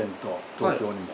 東京にも。